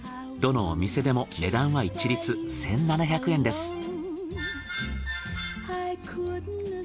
どのお店でも値段は一律１，７００円です。